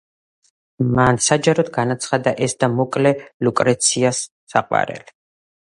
მან საჯაროდ განაცხადა ეს და მოკლა ლუკრეციას საყვარელი.